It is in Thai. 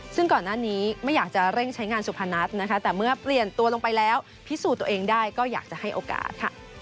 ซึ่งก่อนหน้านี้ไม่อยากจะเร่งใช้งานสุพนัทนะคะแต่เมื่อเปลี่ยนตัวลงไปแล้วพิสูจน์ตัวเองได้ก็อยากจะให้โอกาสค่ะ